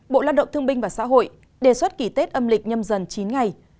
bộ lao động thương binh và xã hội đề xuất kỷ tết âm lịch nhâm dần chín ngày